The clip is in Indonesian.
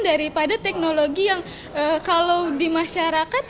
daripada teknologi yang kalau di masyarakat